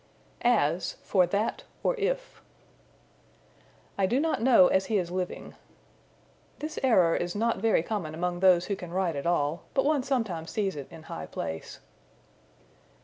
As for That, or If. "I do not know as he is living." This error is not very common among those who can write at all, but one sometimes sees it in high place.